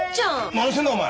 何してんだお前？